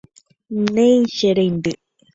Néi che reindy.